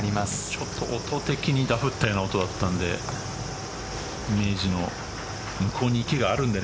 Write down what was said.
ちょっと音的にダフったような音だったのでイメージの向こうに池があるので。